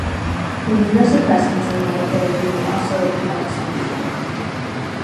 Immunosuppressants and light therapy may also help some people.